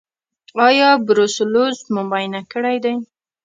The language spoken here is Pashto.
ایا بروسلوز مو معاینه کړی دی؟